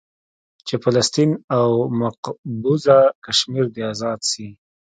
چې فلسطين او مقبوضه کشمير دې ازاد سي.